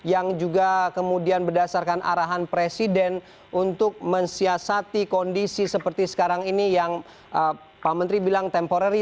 yang juga kemudian berdasarkan arahan presiden untuk mensiasati kondisi seperti sekarang ini yang pak menteri bilang temporary